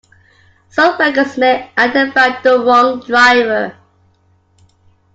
Some records may identify the wrong driver.